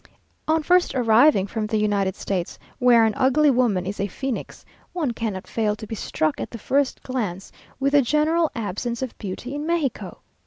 On first arriving from the United States, where an ugly woman is a phoenix, one cannot fail to be struck at the first glance with the general absence of beauty in Mexico.